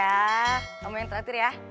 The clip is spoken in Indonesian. ya kamu yang terakhir ya